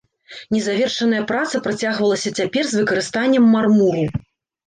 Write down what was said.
Незавершаная праца працягвалася цяпер з выкарыстаннем мармуру.